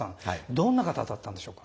どんな方だったんでしょうか？